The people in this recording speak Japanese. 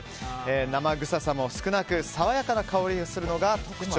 生臭さも少なく爽やかな香りがするのが特徴。